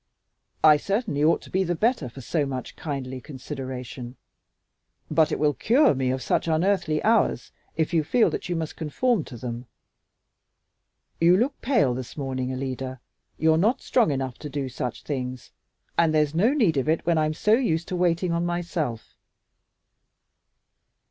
"I certainly ought to be the better for so much kindly consideration; but it will cure me of such unearthly hours if you feel that you must conform to them. You look pale this morning, Alida; you're not strong enough to do such things, and there's no need of it when I'm so used to waiting on myself."